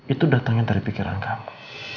itu datangnya dari pikiran kamu